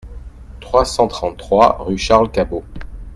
trois cent trente-trois rue Charles Cabaud